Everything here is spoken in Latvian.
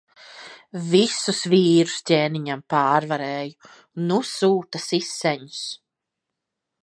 Visus vīrus ķēniņam pārvarēju. Nu sūta siseņus.